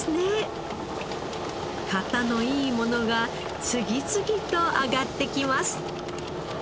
型のいいものが次々と揚がってきます。